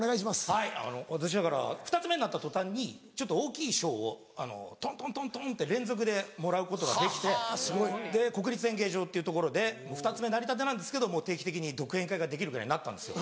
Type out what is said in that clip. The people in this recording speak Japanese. はい私だから二ツ目になった途端にちょっと大きい賞をとんとんとんとんって連続でもらうことができてで国立演芸場っていう所で二ツ目なりたてなんですけど定期的に独演会ができるぐらいになったんですよ。